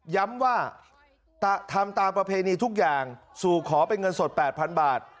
ย้ำว่าทำตามประเพณีทุกอย่างสู่ขอเป็นเงินสด๘๐๐๐บาท